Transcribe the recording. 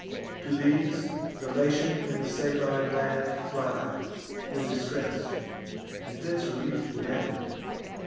To these the Latian and the Sabine land Fly, when distress'd, and thence relief demand.